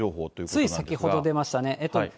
つい先ほど出ましたね。